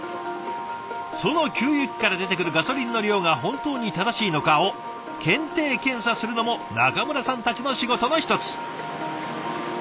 その給油機から出てくるガソリンの量が本当に正しいのかを検定検査するのも中村さんたちの仕事の一つ。